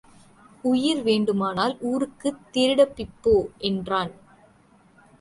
உயிர் வேண்டுமானால் ஊருக்குத் திருடபிப்போ என்றான்.